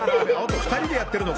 ２人でやってるのか⁉